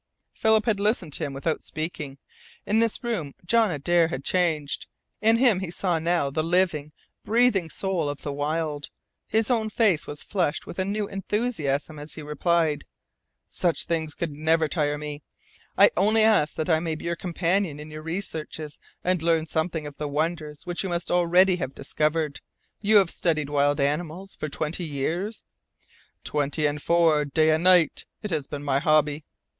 Philip had listened to him without speaking. In this room John Adare had changed. In him he saw now the living, breathing soul of the wild. His own face was flushed with a new enthusiasm as he replied: "Such things could never tire me. I only ask that I may be your companion in your researches, and learn something of the wonders which you must already have discovered. You have studied wild animals for twenty years?" "Twenty and four, day and night; it has been my hobby."